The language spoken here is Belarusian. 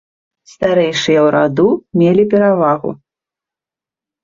Старэйшыя ў раду мелі перавагу.